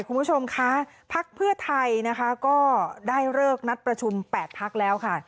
คุณผู้ชมคะพักเพื่อไทยนะคะก็ได้เลิกนัดประชุม๘พักแล้วค่ะ